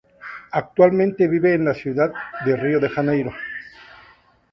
Actualmente vive en la ciudad de Río de Janeiro.